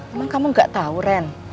emang kamu gak tahu ren